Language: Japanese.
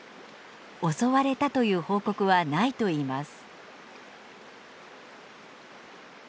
襲われたという報告はないといいます。